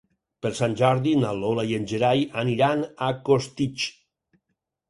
Per Sant Jordi na Lola i en Gerai aniran a Costitx.